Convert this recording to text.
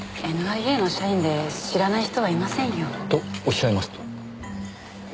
ＮＩＡの社員で知らない人はいませんよ。とおっしゃいますと？